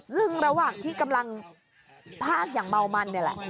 ซึ่งระหว่างที่กำลังพากอย่างเมามันเนี่ยแหละ